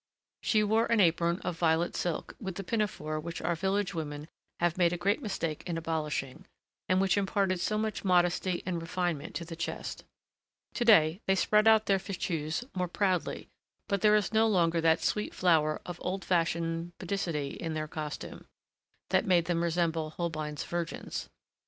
She wore an apron of violet silk, with the pinafore which our village women have made a great mistake in abolishing, and which imparted so much modesty and refinement to the chest. To day, they spread out their fichus more proudly, but there is no longer that sweet flower of old fashioned pudicity in their costume that made them resemble Holbein's virgins.